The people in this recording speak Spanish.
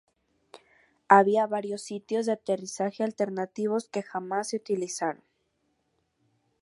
Había varios sitios de aterrizaje alternativos que jamás se utilizaron.